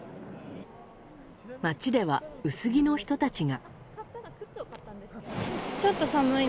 街では、薄着の人たちが。